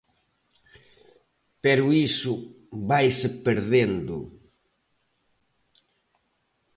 Pero iso vaise perdendo.